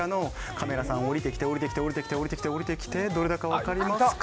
カメラさん、下りてきて下りてきてどれだか分かりますか？